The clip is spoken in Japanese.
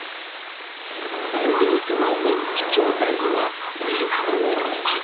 続いてのメンチ兄弟は、ビーフメンチ。